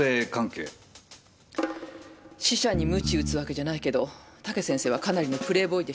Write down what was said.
死者に鞭打つわけじゃないけど武先生はかなりのプレイボーイでしたからね。